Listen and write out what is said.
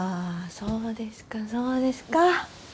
そうですかそうですか。